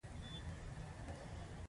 دوی ته له دې پرته بل څه نه وو پاتې